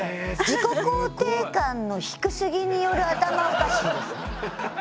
自己肯定感の低すぎによる頭おかしいですね。